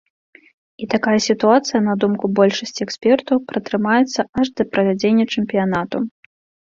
І такая сітуацыя, на думку большасці экспертаў, пратрымаецца аж да правядзення чэмпіянату.